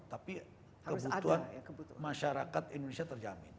tapi kebutuhan masyarakat indonesia terjamin